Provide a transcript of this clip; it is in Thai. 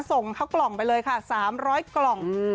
ส่งข้าวกล่องไปเลยค่ะสามร้อยกล่องอืม